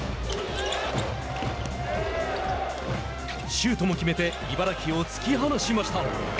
シュートも決めて茨城を突き放しました。